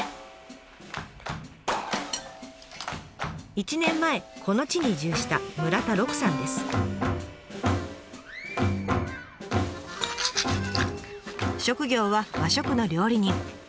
１年前この地に移住した職業は和食の料理人。